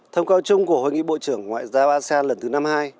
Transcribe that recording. thông cáo chung của hội nghị bộ trưởng ngoại giao asean lần thứ năm mươi hai